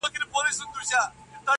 که یاران وي که شراب بس چي زاړه وي,